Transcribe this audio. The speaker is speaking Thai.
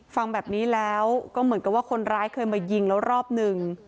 ฟังแบบนี้แล้วก็เหมือนกับว่าคนร้ายเคยมายิงแล้วรอบหนึ่ง